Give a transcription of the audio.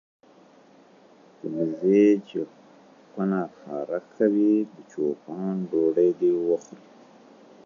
د بزې چې کونه کا کوي د چو پان ډوډۍ دي وخوري.